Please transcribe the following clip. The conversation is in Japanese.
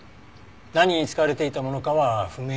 何に使われていたものかは不明です。